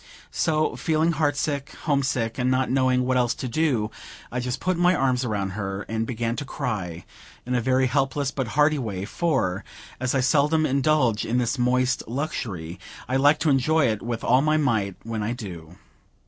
So, feeling heart sick, home sick, and not knowing what else to do, I just put my arms about her, and began to cry in a very helpless but hearty way; for, as I seldom indulge in this moist luxury, I like to enjoy it with all my might, when I do.